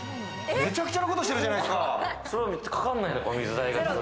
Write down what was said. めちゃくちゃなことしてるじゃないですか。